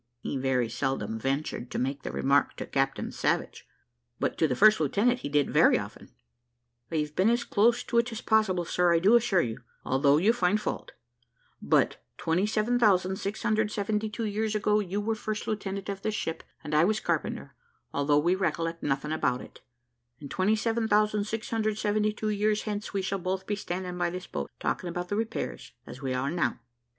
He very seldom ventured to make the remark to Captain Savage, but to the first lieutenant he did very often. "I've been as close to it as possible, sir, I do assure you, although you find fault; but 27,672 years ago you were first lieutenant of this ship, and I was carpenter, although we recollect nothing about it; and 27,672 years hence we shall both be standing by this boat, talking about the repairs, as we are now."